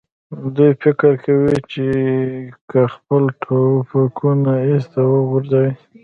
دوی فکر کوي، چې که خپل ټوپکونه ایسته وغورځوي.